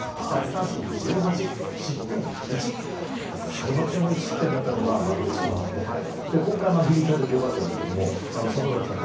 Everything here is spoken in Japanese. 開幕戦も１失点だったのに負けてしまって今回、ぎり勝ててよかったですけど、里崎さん